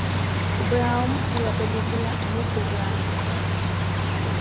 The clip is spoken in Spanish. Brown en la película "Meet the Browns".